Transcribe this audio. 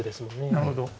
なるほど。